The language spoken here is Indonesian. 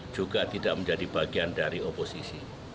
juga tidak menjadi bagian dari oposisi